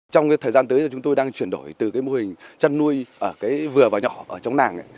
trong thời gian tới chúng tôi đang chuyển đổi từ mô hình chăn nuôi vừa vào nhỏ trong nàng